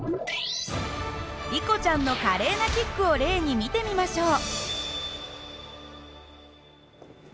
リコちゃんの華麗なキックを例に見てみましょう。